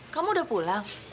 kamu udah pulang